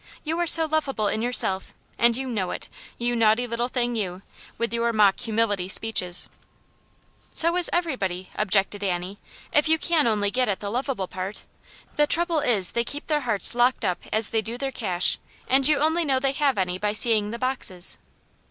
You are lovable in yourself, and you know Jt, you naughty little thing you, with your mock humility speeches." Aunt Janets Hero. 229 f " So is everybody," objected Annie, " if you can only get at the lovable part. The trouble is they keep their hearts locked up as they do their cash, and you only know they have any by seeing the boxes."